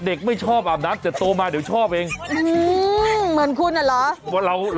เออมันของคู่กัน